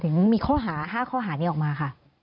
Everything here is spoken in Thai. ถึงมีข้อหา๕ข้อหานี้ออกมาค่ะ